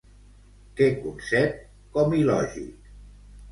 Què concep com il·lògic?